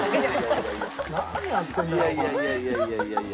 いやいやいやいや。